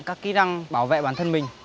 các kỹ lăng bảo vệ bản thân mình